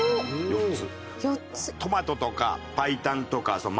トマトとか白湯とか麻